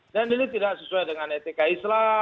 dan ini tidak sesuai dengan etika islam